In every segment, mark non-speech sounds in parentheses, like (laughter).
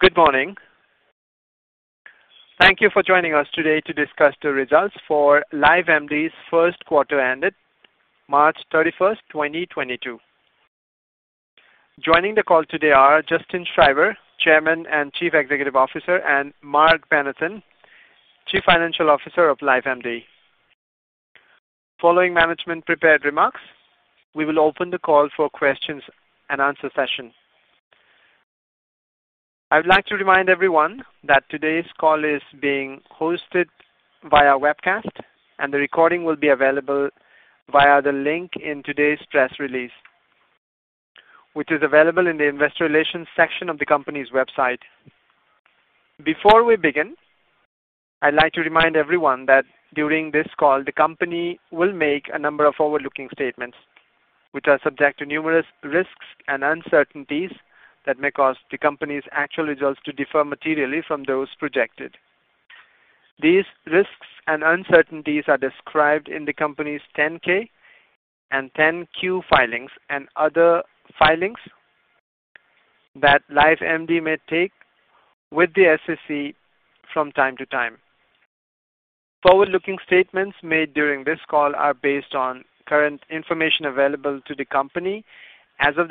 Good morning. Thank you for joining us today to discuss the results for LifeMD's first quarter ended March 31, 2022. Joining the call today are Justin Schreiber, Chairman and Chief Executive Officer, and Marc Benathen, Chief Financial Officer of LifeMD. Following management prepared remarks, we will open the call for questions and answer session. I would like to remind everyone that today's call is being hosted via webcast, and the recording will be available via the link in today's press release, which is available in the investor relations section of the company's website. Before we begin, I'd like to remind everyone that during this call, the company will make a number of forward-looking statements, which are subject to numerous risks and uncertainties that may cause the company's actual results to differ materially from those projected. These risks and uncertainties are described in the company's 10-K and 10-Q filings and other filings that LifeMD may make with the SEC from time to time. Forward-looking statements made during this call are based on current information available to the company as of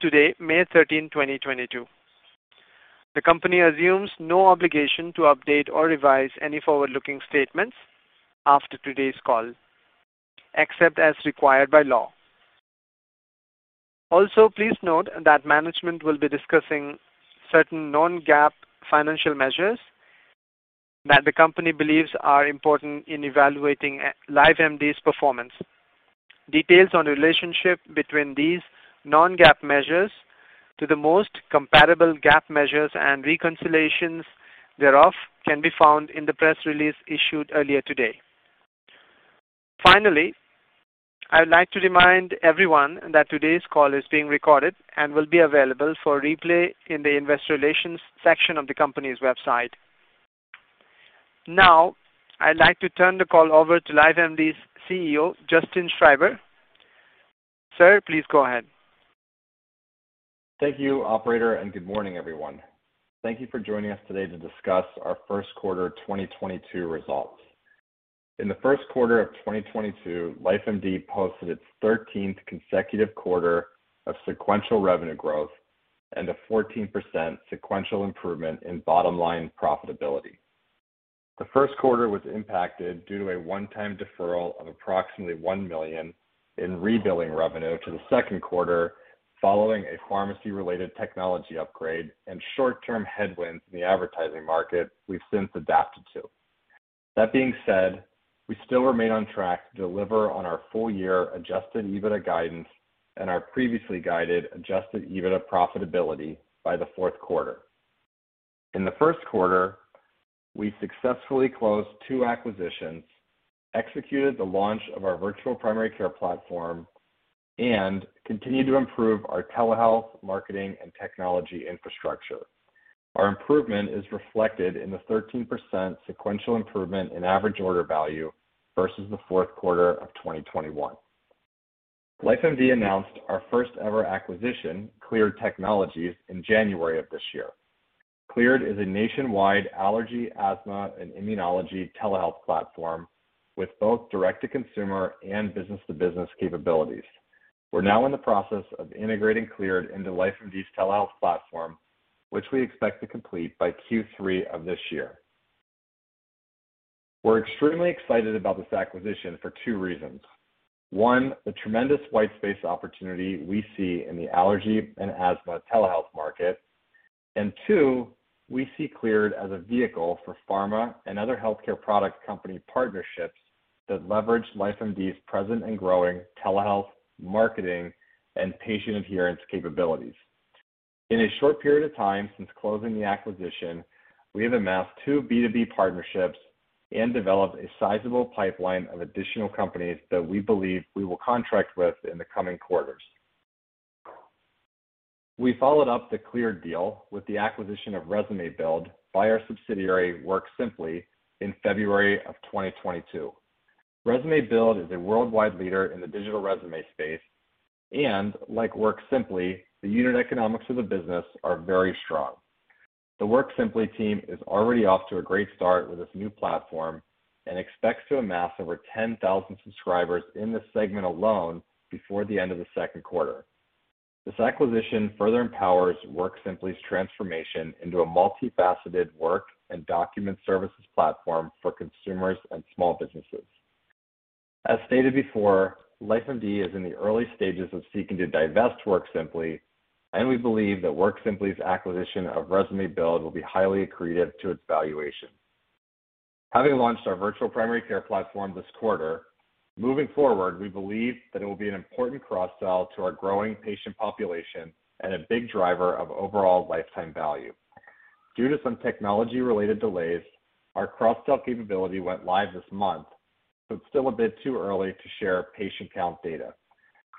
today, May 13, 2022. The company assumes no obligation to update or revise any forward-looking statements after today's call, except as required by law. Also, please note that management will be discussing certain non-GAAP financial measures that the company believes are important in evaluating LifeMD's performance. Details on the relationship between these non-GAAP measures to the most comparable GAAP measures and reconciliations thereof can be found in the press release issued earlier today. Finally, I would like to remind everyone that today's call is being recorded and will be available for replay in the investor relations section of the company's website. Now, I'd like to turn the call over to LifeMD's CEO, Justin Schreiber. Sir, please go ahead. Thank you, operator, and good morning, everyone. Thank you for joining us today to discuss our first quarter 2022 results. In the first quarter of 2022, LifeMD posted its 13th consecutive quarter of sequential revenue growth and a 14% sequential improvement in bottom line profitability. The first quarter was impacted due to a one-time deferral of approximately $1 million in rebilling revenue to the second quarter following a pharmacy-related technology upgrade and short-term headwinds in the advertising market we've since adapted to. That being said, we still remain on track to deliver on our full-year adjusted EBITDA guidance and our previously guided adjusted EBITDA profitability by the fourth quarter. In the first quarter, we successfully closed two acquisitions, executed the launch of our virtual primary care platform, and continued to improve our telehealth marketing and technology infrastructure. Our improvement is reflected in the 13% sequential improvement in average order value versus the fourth quarter of 2021. LifeMD announced our first ever acquisition, Cleared Technologies, in January of this year. Cleared is a nationwide allergy, asthma, and immunology telehealth platform with both direct-to-consumer and business-to-business capabilities. We're now in the process of integrating Cleared into LifeMD's telehealth platform, which we expect to complete by Q3 of this year. We're extremely excited about this acquisition for two reasons. One, the tremendous white space opportunity we see in the allergy and asthma telehealth market. Two, we see Cleared as a vehicle for pharma and other healthcare product company partnerships that leverage LifeMD's present and growing telehealth marketing and patient adherence capabilities. In a short period of time since closing the acquisition, we have amassed two B2B partnerships and developed a sizable pipeline of additional companies that we believe we will contract with in the coming quarters. We followed up the Cleared deal with the acquisition of ResumeBuild by our subsidiary WorkSimpli in February 2022. ResumeBuild is a worldwide leader in the digital resume space and like WorkSimpli, the unit economics of the business are very strong. The WorkSimpli team is already off to a great start with this new platform and expects to amass over 10,000 subscribers in this segment alone before the end of the second quarter. This acquisition further empowers WorkSimpli's transformation into a multi-faceted work and document services platform for consumers and small businesses. As stated before, LifeMD is in the early stages of seeking to divest WorkSimpli, and we believe that WorkSimpli's acquisition of ResumeBuild will be highly accretive to its valuation. Having launched our virtual primary care platform this quarter, moving forward, we believe that it will be an important cross-sell to our growing patient population and a big driver of overall lifetime value. Due to some technology-related delays, our cross-sell capability went live this month, so it's still a bit too early to share patient count data.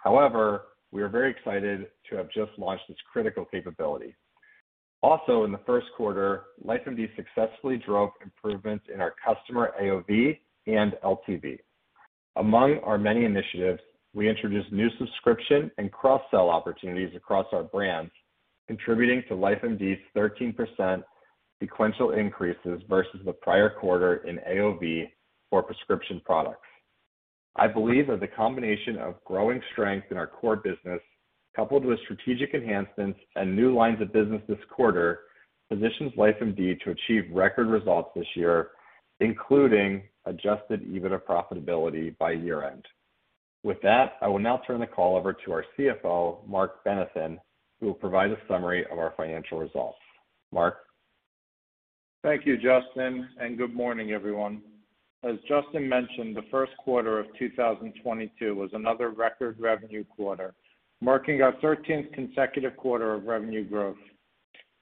However, we are very excited to have just launched this critical capability. Also in the first quarter, LifeMD successfully drove improvements in our customer AOV and LTV. Among our many initiatives, we introduced new subscription and cross-sell opportunities across our brands, contributing to LifeMD's 13% sequential increase versus the prior quarter in AOV for prescription products. I believe that the combination of growing strength in our core business, coupled with strategic enhancements and new lines of business this quarter, positions LifeMD to achieve record results this year, including adjusted EBITDA profitability by year-end. With that, I will now turn the call over to our CFO, Marc Benathen, who will provide a summary of our financial results. Marc Benathen? Thank you, Justin, and good morning, everyone. As Justin mentioned, the first quarter of 2022 was another record revenue quarter, marking our 13th consecutive quarter of revenue growth.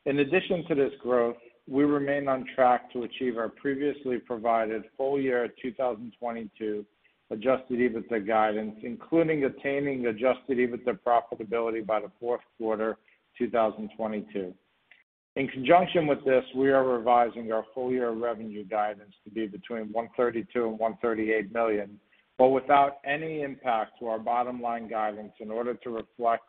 In addition to this growth, we remain on track to achieve our previously provided full-year 2022 adjusted EBITDA guidance, including attaining adjusted EBITDA profitability by the fourth quarter 2022. In conjunction with this, we are revising our full-year revenue guidance to be between $132 million and $138 million, but without any impact to our bottom-line guidance in order to reflect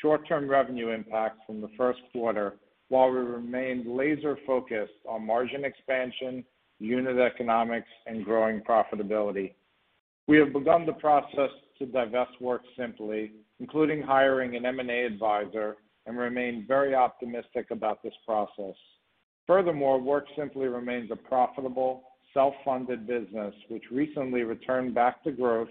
short-term revenue impacts from the first quarter while we remained laser focused on margin expansion, unit economics, and growing profitability. We have begun the process to divest WorkSimpli, including hiring an M&A advisor and remain very optimistic about this process. Furthermore, WorkSimpli remains a profitable, self-funded business which recently returned back to growth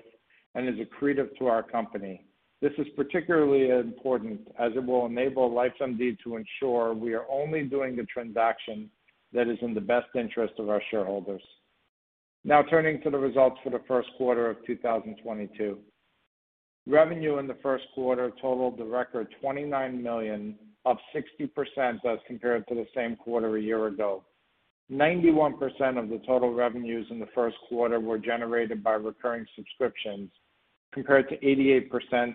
and is accretive to our company. This is particularly important as it will enable LifeMD to ensure we are only doing the transaction that is in the best interest of our shareholders. Now turning to the results for the first quarter of 2022. Revenue in the first quarter totaled a record $29 million, up 60% as compared to the same quarter a year ago. 91% of the total revenues in the first quarter were generated by recurring subscriptions, compared to 88%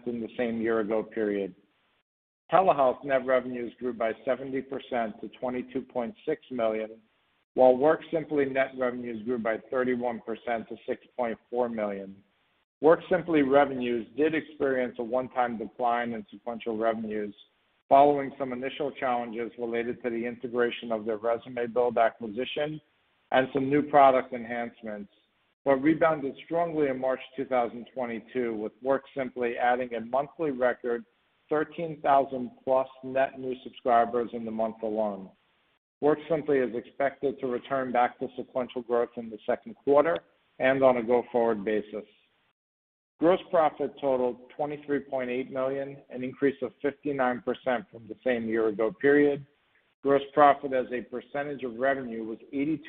in the same year ago period. Telehealth net revenues grew by 70% to $22.6 million, while WorkSimpli net revenues grew by 31% to $6.4 million. WorkSimpli revenues did experience a one-time decline in sequential revenues following some initial challenges related to the integration of their ResumeBuild acquisition and some new product enhancements, but rebounded strongly in March 2022, with WorkSimpli adding a monthly record 13,000+ net new subscribers in the month alone. WorkSimpli is expected to return back to sequential growth in the second quarter and on a go-forward basis. Gross profit totaled $23.8 million, an increase of 59% from the same year ago period. Gross profit as a percentage of revenue was 82%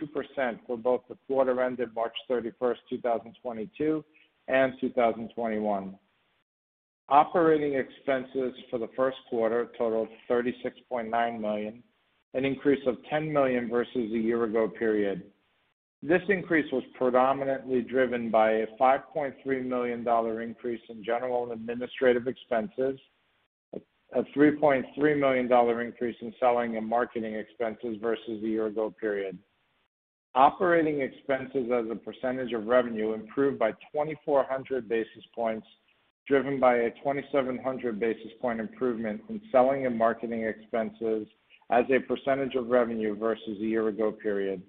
for both the quarter ended March 31, 2022 and 2021. Operating expenses for the first quarter totaled $36.9 million, an increase of $10 million versus the year ago period. This increase was predominantly driven by a $5.3 million increase in general and administrative expenses, a $3.3 million increase in selling and marketing expenses versus the year ago period. Operating expenses as a percentage of revenue improved by 2,400 basis points, driven by a 2,700 basis point improvement in selling and marketing expenses as a percentage of revenue versus the year ago period.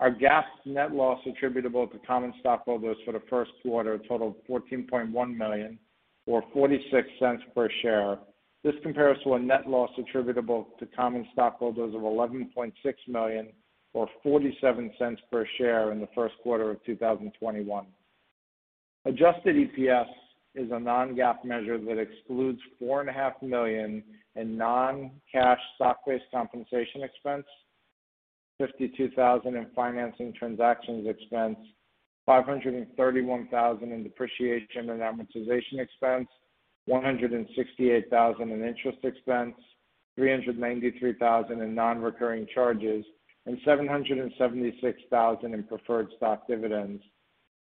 Our GAAP net loss attributable to common stockholders for the first quarter totaled $14.1 million or $0.46 per share. This compares to a net loss attributable to common stockholders of $11.6 million or $0.47 per share in the first quarter of 2021. Adjusted EPS is a non-GAAP measure that excludes $4.5 million in non-cash stock-based compensation expense, $52,000 in financing transactions expense, $531,000 in depreciation and amortization expense, $168,000 in interest expense, $393,000 in non-recurring charges, and $776,000 in preferred stock dividends.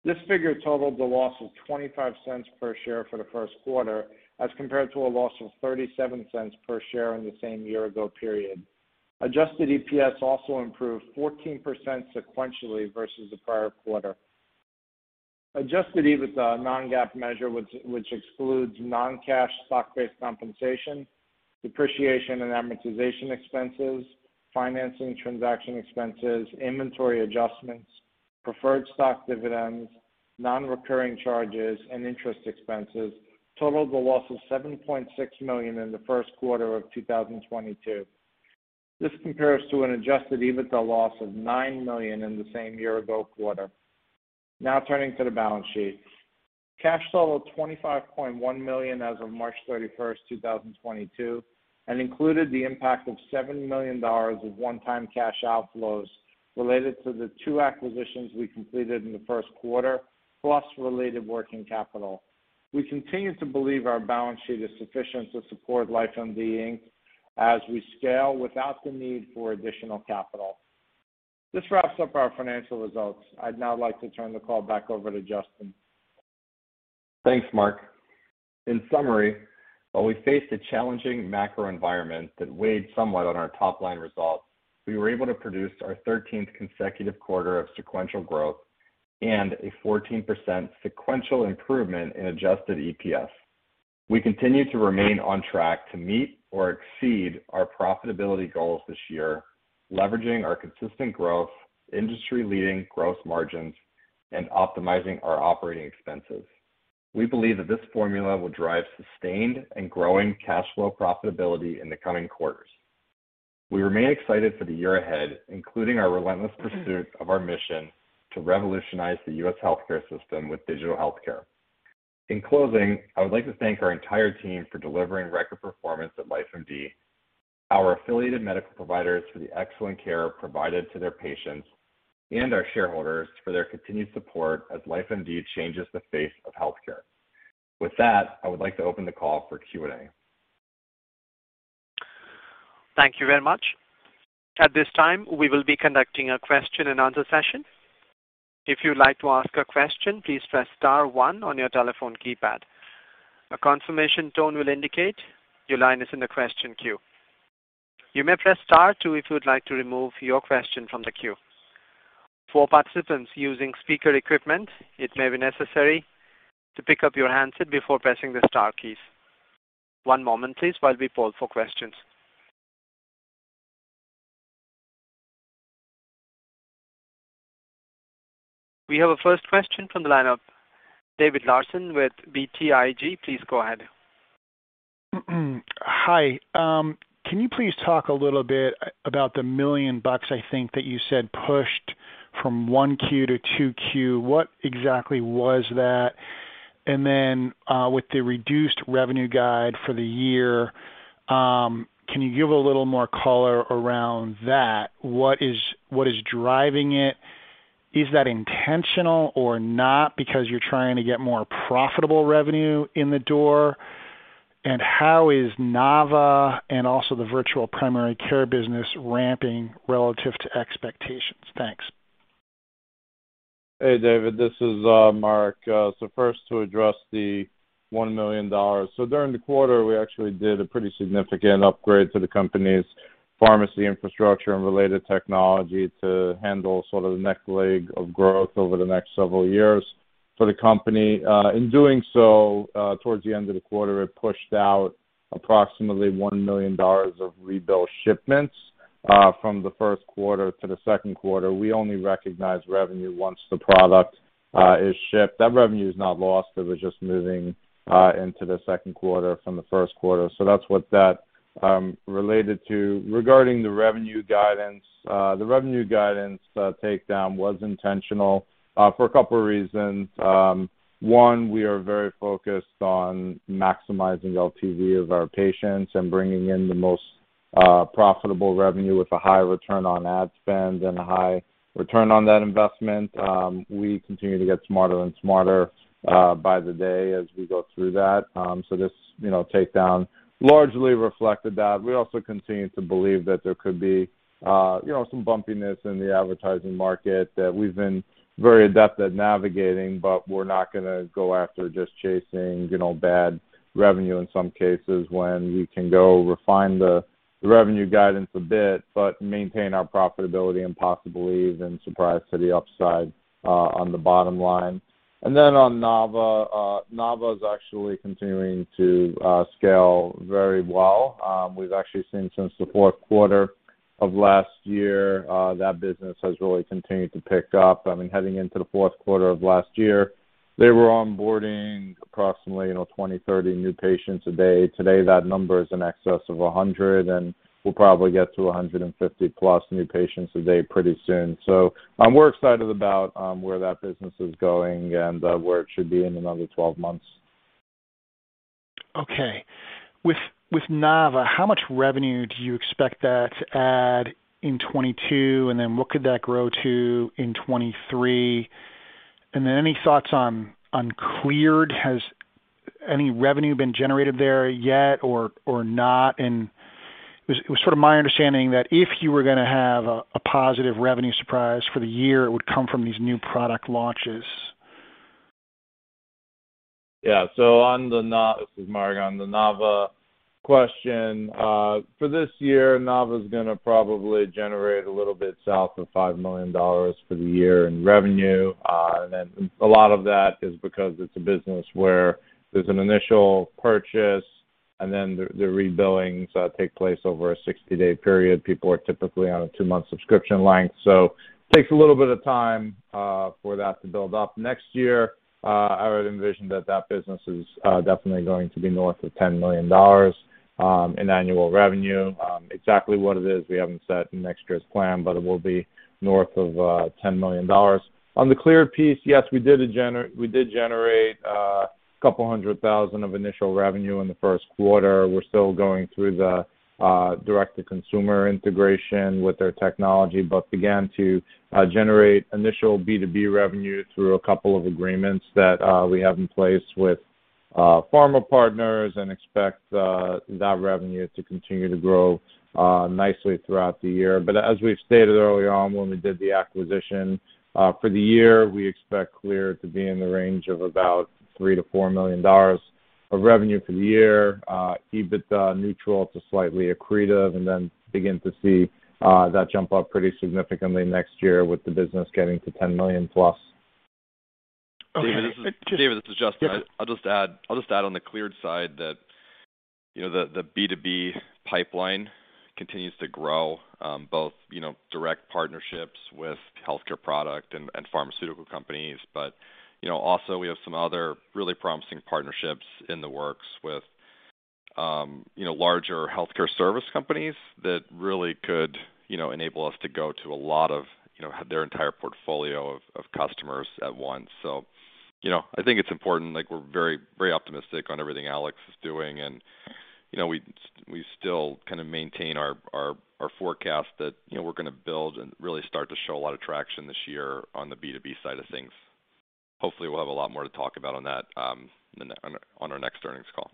This figure totaled a loss of $0.25 per share for the first quarter as compared to a loss of $0.37 per share in the same year ago period. Adjusted EPS also improved 14% sequentially versus the prior quarter. Adjusted EBITDA non-GAAP measure, which excludes non-cash stock-based compensation, depreciation and amortization expenses, financing transaction expenses, inventory adjustments, preferred stock dividends, non-recurring charges, and interest expenses totaled a loss of $7.6 million in the first quarter of 2022. This compares to an adjusted EBITDA loss of $9 million in the same year-ago quarter. Now turning to the balance sheet. Cash total of $25.1 million as of March 31, 2022, and included the impact of $7 million of one-time cash outflows related to the two acquisitions we completed in the first quarter, plus related working capital. We continue to believe our balance sheet is sufficient to support LifeMD, Inc., as we scale without the need for additional capital. This wraps up our financial results. I'd now like to turn the call back over to Justin. Thanks, Marc. In summary, while we faced a challenging macro environment that weighed somewhat on our top-line results, we were able to produce our thirteenth consecutive quarter of sequential growth and a 14% sequential improvement in adjusted EPS. We continue to remain on track to meet or exceed our profitability goals this year, leveraging our consistent growth, industry-leading gross margins, and optimizing our operating expenses. We believe that this formula will drive sustained and growing cash flow profitability in the coming quarters. We remain excited for the year ahead, including our relentless pursuit of our mission to revolutionize the U.S. healthcare system with digital healthcare. In closing, I would like to thank our entire team for delivering record performance at LifeMD, our affiliated medical providers for the excellent care provided to their patients, and our shareholders for their continued support as LifeMD changes the face of healthcare. With that, I would like to open the call for Q&A. Thank you very much. At this time, we will be conducting a question and answer session. If you'd like to ask a question, please press star one on your telephone keypad. A confirmation tone will indicate your line is in the question queue. You may press star two if you'd like to remove your question from the queue. For participants using speaker equipment, it may be necessary to pick up your handset before pressing the star keys. One moment, please, while we poll for questions. We have a first question from the line of David Larsen with BTIG. Please go ahead. Hi. Can you please talk a little bit about the $1 million I think that you said pushed from 1Q to 2Q? What exactly was that? With the reduced revenue guide for the year, can you give a little more color around that? What is driving it? Is that intentional or not because you're trying to get more profitable revenue in the door? How is Nava and also the virtual primary care business ramping relative to expectations? Thanks. Hey, David. This is Marc. First to address the $1 million. During the quarter, we actually did a pretty significant upgrade to the company's pharmacy infrastructure and related technology to handle sort of the next leg of growth over the next several years for the company. In doing so, towards the end of the quarter, it pushed out approximately $1 million of rebill shipments from the first quarter to the second quarter. We only recognize revenue once the product is shipped. That revenue is not lost, it was just moving into the second quarter from the first quarter. That's what that related to. Regarding the revenue guidance, the revenue guidance takedown was intentional for a couple reasons. One, we are very focused on maximizing LTV of our patients and bringing in the most profitable revenue with a high return on ad spend and a high return on that investment. We continue to get smarter and smarter by the day as we go through that. This, you know, takedown largely reflected that. We also continue to believe that there could be, you know, some bumpiness in the advertising market that we've been very adept at navigating, but we're not gonna go after just chasing, you know, bad revenue in some cases when we can go refine the revenue guidance a bit, but maintain our profitability and possibly even surprise to the upside on the bottom line. On Nava is actually continuing to scale very well. We've actually seen since the fourth quarter of last year that business has really continued to pick up. I mean, heading into the fourth quarter of last year, they were onboarding approximately, you know, 20, 30 new patients a day. Today, that number is in excess of 100, and we'll probably get to 150 plus new patients a day pretty soon. We're excited about where that business is going and where it should be in another 12 months. Okay. With Nava, how much revenue do you expect that to add in 2022? What could that grow to in 2023? Any thoughts on Cleared? Has any revenue been generated there yet or not? It was sort of my understanding that if you were gonna have a positive revenue surprise for the year, it would come from these new product launches. This is Marc. On the Nava MD question, for this year, Nava is gonna probably generate a little bit south of $5 million for the year in revenue. A lot of that is because it's a business where there's an initial purchase and then the rebillings take place over a 60-day period. People are typically on a 2-month subscription length. It takes a little bit of time for that to build up. Next year, I would envision that that business is definitely going to be north of $10 million in annual revenue. Exactly what it is, we haven't set next year's plan, but it will be north of $10 million. On the Cleared piece, yes, we did generate a couple hundred thousand of initial revenue in the first quarter. We're still going through the direct-to-consumer integration with their technology, but began to generate initial B2B revenue through a couple of agreements that we have in place with pharma partners and expect that revenue to continue to grow nicely throughout the year. As we've stated early on when we did the acquisition, for the year, we expect Cleared to be in the range of about $3 million-$4 million of revenue for the year, EBITDA neutral to slightly accretive, and then begin to see that jump up pretty significantly next year with the business getting to $10 million+. Okay. David, this is Justin. Yep. I'll just add on the Cleared side that you know the B2B pipeline continues to grow both you know direct partnerships with healthcare product and pharmaceutical companies. You know also we have some other really promising partnerships in the works with you know larger healthcare service companies that really could you know enable us to go to a lot of you know their entire portfolio of customers at once. You know I think it's important like we're very optimistic on everything Alex is doing. You know we still kinda maintain our forecast that you know we're gonna build and really start to show a lot of traction this year on the B2B side of things. Hopefully, we'll have a lot more to talk about on that, on our next earnings call.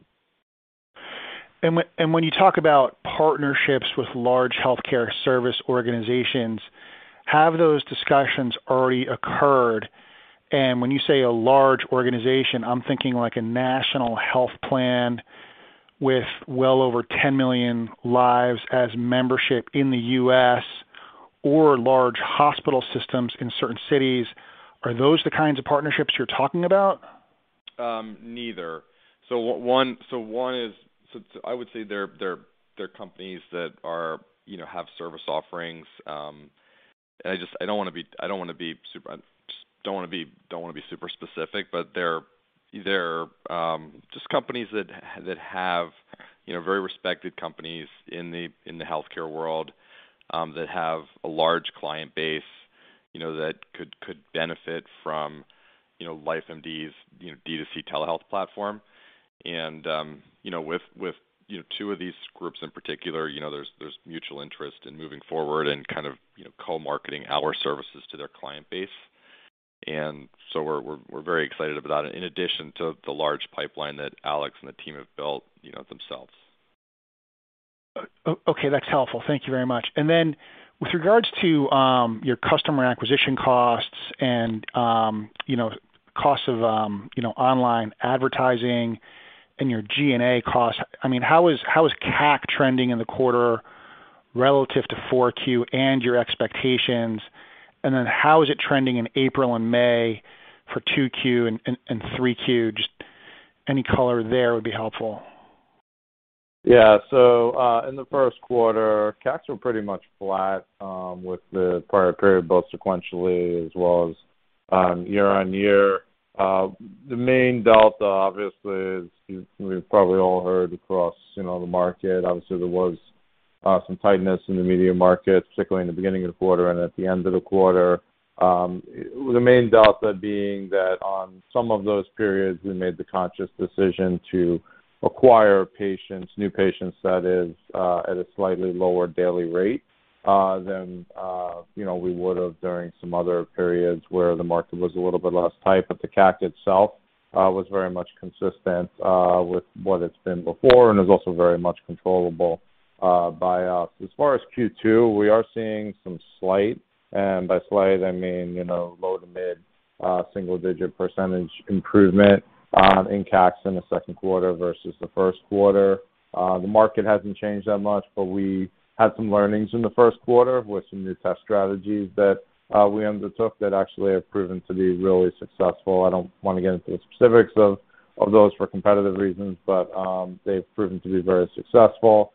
When you talk about partnerships with large healthcare service organizations, have those discussions already occurred? When you say a large organization, I'm thinking like a national health plan with well over 10 million lives as membership in the U.S. or large hospital systems in certain cities. Are those the kinds of partnerships you're talking about? Neither. I would say they're companies that, you know, have service offerings. I don't wanna be super specific, but they're just companies that have, you know, very respected companies in the healthcare world that have a large client base, you know, that could benefit from, you know, LifeMD's D2C telehealth platform. You know, with two of these groups in particular, you know, there's mutual interest in moving forward and kind of, you know, co-marketing our services to their client base. We're very excited about it in addition to the large pipeline that Alex and the team have built, you know, themselves. Okay, that's helpful. Thank you very much. With regards to your customer acquisition costs and you know, costs of you know, online advertising and your G&A costs, I mean, how is CAC trending in the quarter relative to 4Q and your expectations? How is it trending in April and May for 2Q and 3Q? Just any color there would be helpful. Yeah. In the first quarter, CACs were pretty much flat with the prior period, both sequentially as well as year-over-year. The main delta, obviously, as we've probably all heard across, you know, the market, obviously there was some tightness in the media market, particularly in the beginning of the quarter and at the end of the quarter. The main delta being that on some of those periods, we made the conscious decision to acquire patients, new patients that is, at a slightly lower daily rate than you know, we would have during some other periods where the market was a little bit less tight. The CAC itself was very much consistent with what it's been before and is also very much controllable by us. As far as Q2, we are seeing some slight, and by slight I mean, you know, low to mid single-digit percentage improvement in CACs in the second quarter versus the first quarter. The market hasn't changed that much, but we had some learnings in the first quarter with some new test strategies that we undertook that actually have proven to be really successful. I don't wanna get into the specifics of those for competitive reasons, but they've proven to be very successful.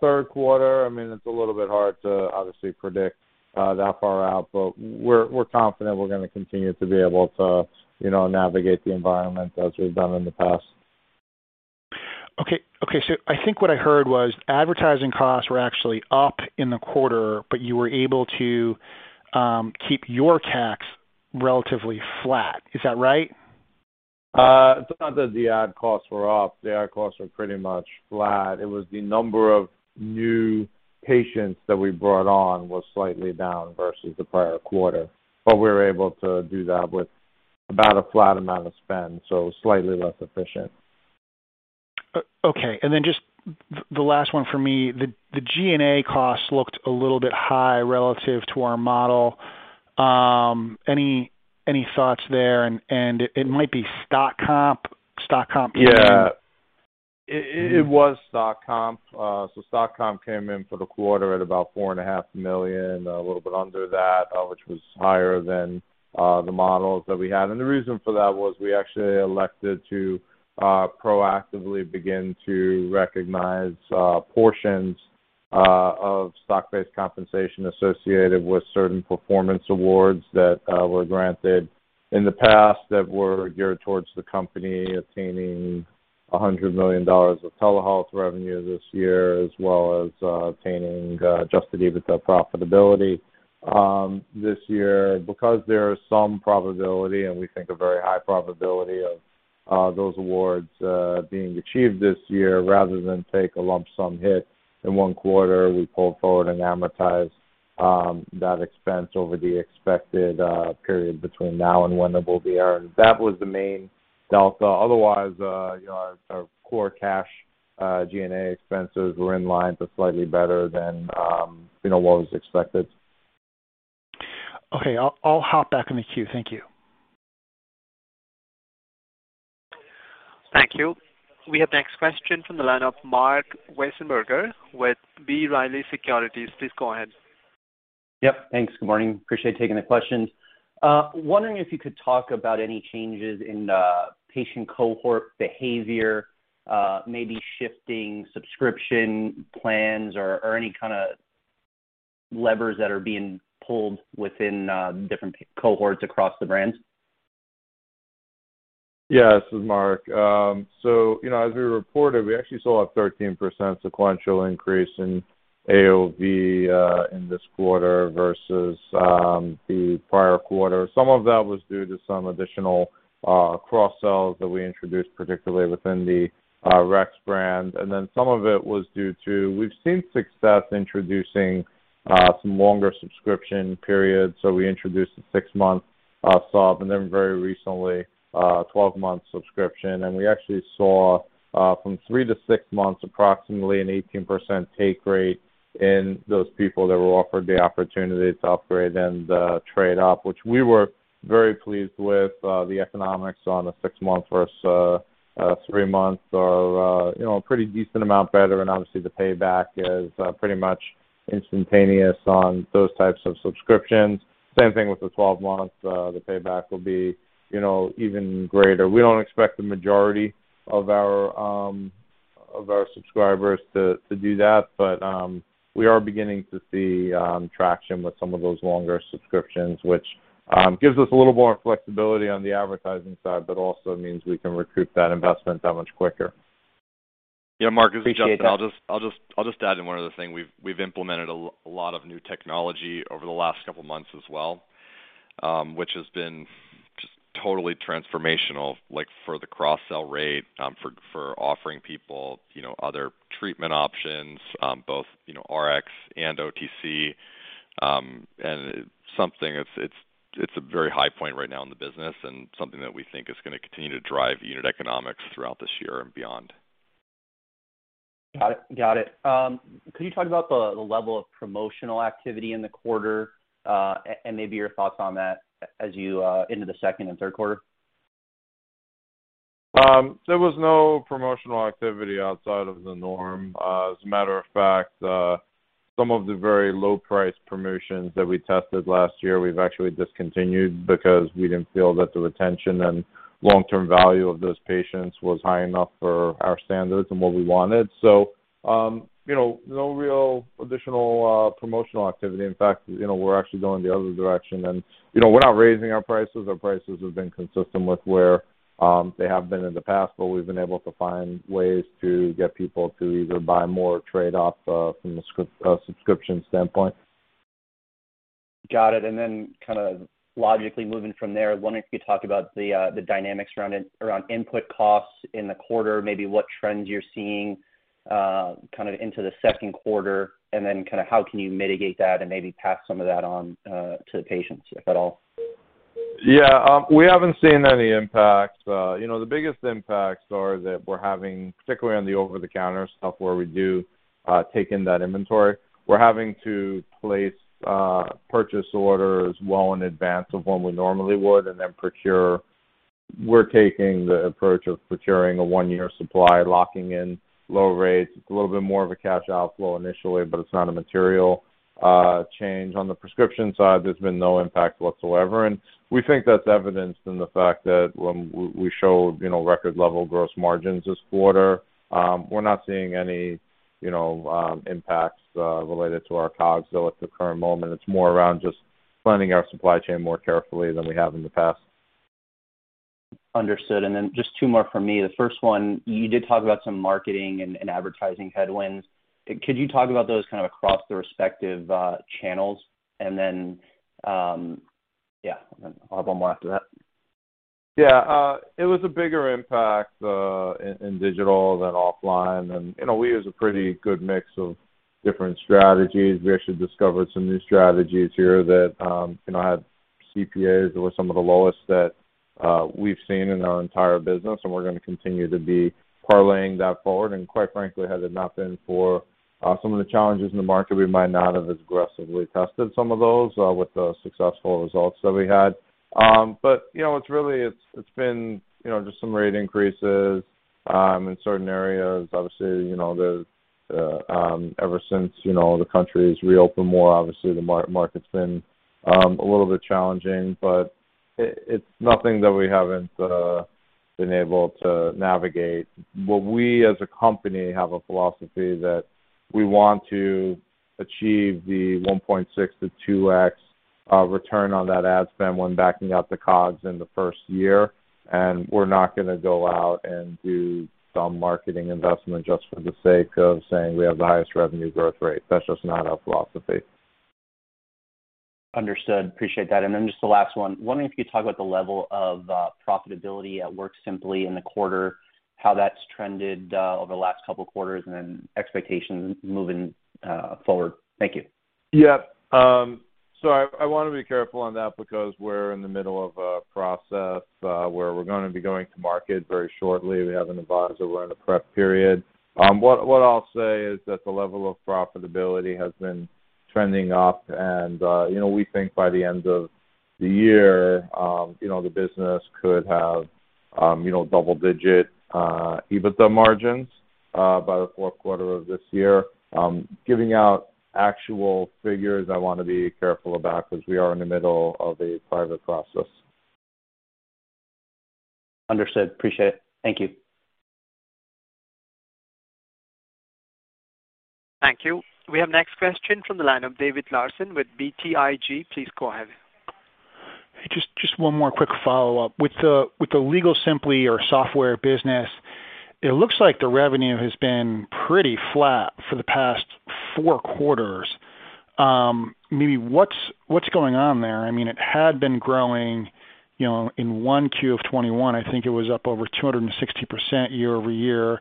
Third quarter, I mean, it's a little bit hard to obviously predict that far out, but we're confident we're gonna continue to be able to, you know, navigate the environment as we've done in the past. Okay, I think what I heard was advertising costs were actually up in the quarter, but you were able to keep your CAC relatively flat. Is that right? It's not that the ad costs were up. The ad costs were pretty much flat. It was the number of new patients that we brought on was slightly down versus the prior quarter. We were able to do that with about a flat amount of spend, so slightly less efficient. Okay. Just the last one for me, the G&A costs looked a little bit high relative to our model. Any thoughts there? It might be stock comp. Stock comp came in- Yeah. It was stock comp. Stock comp came in for the quarter at about $4.5 million, a little bit under that, which was higher than the models that we had. The reason for that was we actually elected to proactively begin to recognize portions of stock-based compensation associated with certain performance awards that were granted in the past that were geared towards the company obtaining $100 million of telehealth revenue this year, as well as obtaining adjusted EBITDA profitability this year. Because there is some probability, and we think a very high probability of, those awards, being achieved this year, rather than take a lump sum hit in one quarter, we pulled forward and amortized, that expense over the expected, period between now and when they will be earned. That was the main delta. Otherwise, you know, our core cash G&A expenses were in line, but slightly better than, you know, what was expected. Okay. I'll hop back in the queue. Thank you. Thank you. We have next question from the line of Marc Wiesenberger with B. Riley Securities. Please go ahead. Yep. Thanks. Good morning. Appreciate taking the questions. Wondering if you could talk about any changes in the patient cohort behavior, maybe shifting subscription plans or any kinda levers that are being pulled within different cohorts across the brands. Yeah, this is Marc Benathen. You know, as we reported, we actually saw a 13% sequential increase in AOV in this quarter versus the prior quarter. Some of that was due to some additional cross-sells that we introduced, particularly within the Rex brand. Some of it was due to we've seen success introducing some longer subscription periods, so we introduced a six-month sub, and then very recently, 12-month subscription. We actually saw from 3-6 months, approximately an 18% take rate in those people that were offered the opportunity to upgrade and trade up, which we were very pleased with the economics on the six month versus three months or you know a pretty decent amount better. Obviously the payback is pretty much instantaneous on those types of subscriptions. Same thing with the 12-month payback will be, you know, even greater. We don't expect the majority of our subscribers to do that, but we are beginning to see traction with some of those longer subscriptions, which gives us a little more flexibility on the advertising side, but also means we can recruit that investment that much quicker. Yeah. Marc, this is Justin (crosstalk) I'll just add in one other thing. We've implemented a lot of new technology over the last couple months as well, which has been just totally transformational, like, for the cross-sell rate, for offering people, you know, other treatment options, both, you know, RX and OTC. Something, it's a very high point right now in the business and something that we think is gonna continue to drive the unit economics throughout this year and beyond. Got it. Could you talk about the level of promotional activity in the quarter, and maybe your thoughts on that as you into the second and third quarter? There was no promotional activity outside of the norm. As a matter of fact, some of the very low price promotions that we tested last year, we've actually discontinued because we didn't feel that the retention and long-term value of those patients was high enough for our standards and what we wanted. You know, no real additional promotional activity. In fact, you know, we're actually going the other direction. You know, we're not raising our prices. Our prices have been consistent with where they have been in the past, but we've been able to find ways to get people to either buy more trade-off from the subscription standpoint. Got it. Kinda logically moving from there, wondering if you could talk about the dynamics around input costs in the quarter, maybe what trends you're seeing, kinda into the second quarter, and then kinda how can you mitigate that and maybe pass some of that on to the patients, if at all. Yeah. We haven't seen any impacts. You know, the biggest impacts are that we're having, particularly on the over-the-counter stuff where we do take in that inventory, we're having to place purchase orders well in advance of when we normally would and then procure. We're taking the approach of procuring a one-year supply, locking in low rates. It's a little bit more of a cash outflow initially, but it's not a material change. On the prescription side, there's been no impact whatsoever. We think that's evidenced in the fact that when we show, you know, record level gross margins this quarter, we're not seeing any, you know, impacts related to our COGS though at the current moment. It's more around just planning our supply chain more carefully than we have in the past. Understood. Then just two more for me. The first one, you did talk about some marketing and advertising headwinds. Could you talk about those kinda across the respective channels? Yeah, I'll have one more after that. Yeah. It was a bigger impact in digital than offline. You know, we use a pretty good mix of different strategies. We actually discovered some new strategies here that, you know, had CPAs that were some of the lowest that we've seen in our entire business, and we're gonna continue to be parlaying that forward. Quite frankly, had it not been for some of the challenges in the market, we might not have as aggressively tested some of those with the successful results that we had. You know, it's really been just some rate increases in certain areas. Obviously, you know, ever since the country has reopened more, obviously the market's been a little bit challenging, but it's nothing that we haven't been able to navigate. We as a company have a philosophy that we want to achieve the 1.6-2x return on that ad spend when backing out the COGS in the first year. We're not gonna go out and do some marketing investment just for the sake of saying we have the highest revenue growth rate. That's just not our philosophy. Understood. Appreciate that. Then just the last one. Wondering if you could talk about the level of profitability at WorkSimpli in the quarter, how that's trended over the last couple quarters, and then expectations moving forward. Thank you. Yeah. I wanna be careful on that because we're in the middle of a process where we're gonna be going to market very shortly. We have an advisor. We're in a prep period. What I'll say is that the level of profitability has been trending up and you know we think by the end of the year you know the business could have you know double-digit EBITDA margins by the fourth quarter of this year. Giving out actual figures I wanna be careful about 'cause we are in the middle of a private process. Understood. Appreciate it. Thank you. Thank you. We have next question from the line of David Larsen with BTIG. Please go ahead. Hey, just one more quick follow-up. With the LegalSimpli Software business, it looks like the revenue has been pretty flat for the past four quarters. Maybe what's going on there? I mean, it had been growing, you know, in 1Q of 2021, I think it was up over 260% year-over-year.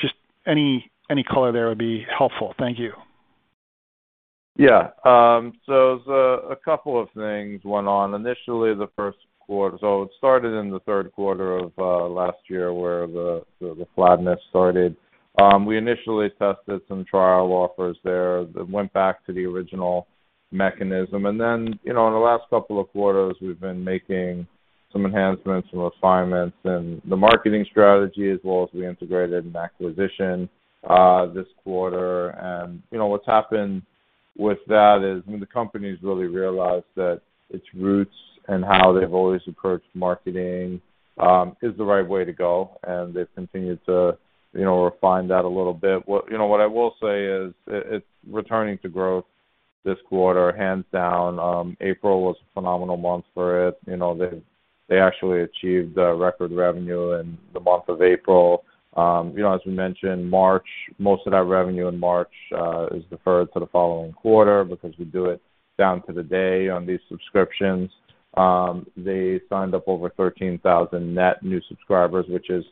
Just any color there would be helpful. Thank you. There's a couple of things went on. Initially, the first quarter. It started in the third quarter of last year where the flatness started. We initially tested some trial offers there that went back to the original mechanism. Then, you know, in the last couple of quarters, we've been making some enhancements, some refinements in the marketing strategy, as well as we integrated an acquisition this quarter. You know, what's happened with that is when the companies really realized that its roots and how they've always approached marketing is the right way to go, and they've continued to, you know, refine that a little bit. What I will say is it's returning to growth this quarter, hands down. April was a phenomenal month for it. You know, they actually achieved record revenue in the month of April. You know, as we mentioned, most of that revenue in March is deferred to the following quarter because we do it down to the day on these subscriptions. They signed up over 13,000 net new subscribers, which is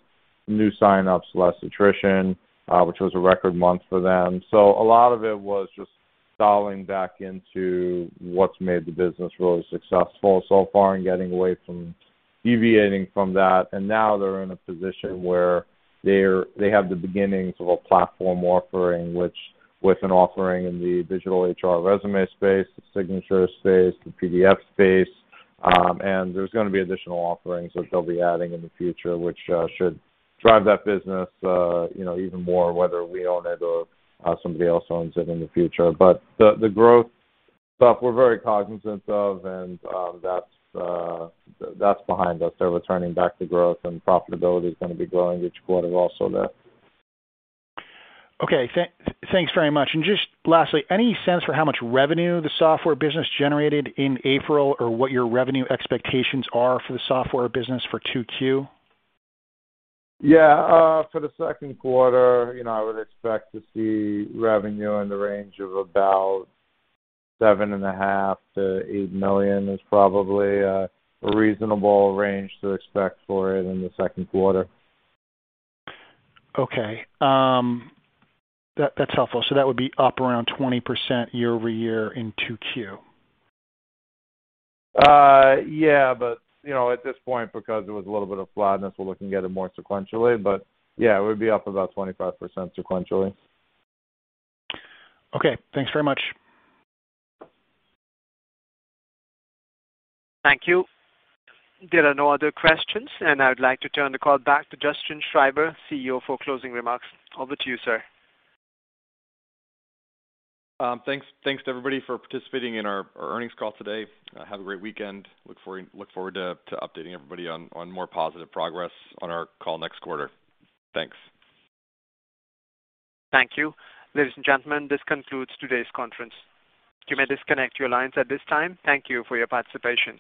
new signups less attrition, which was a record month for them. A lot of it was just dialing back into what's made the business really successful so far and getting away from deviating from that. Now they're in a position where they have the beginnings of a platform offering, which with an offering in the digital HR resume space, the signature space, the PDF space, and there's gonna be additional offerings which they'll be adding in the future, which should drive that business, you know, even more, whether we own it or somebody else owns it in the future. But the growth stuff we're very cognizant of, and that's behind us. They're returning back to growth, and profitability is gonna be growing each quarter also there. Okay. Thanks very much. Just lastly, any sense for how much revenue the software business generated in April or what your revenue expectations are for the software business for 2Q? Yeah. For the second quarter, you know, I would expect to see revenue in the range of about $7.5 million-$8 million is probably a reasonable range to expect for it in the second quarter. That's helpful. That would be up around 20% year-over-year in 2Q? Yeah, but, you know, at this point because there was a little bit of flatness, we're looking at it more sequentially. Yeah, it would be up about 25% sequentially. Okay. Thanks very much. Thank you. There are no other questions, and I would like to turn the call back to Justin Schreiber, CEO, for closing remarks. Over to you, sir. Thanks to everybody for participating in our earnings call today. Have a great weekend. Look forward to updating everybody on more positive progress on our call next quarter. Thanks. Thank you. Ladies and gentlemen, this concludes today's conference. You may disconnect your lines at this time. Thank you for your participation.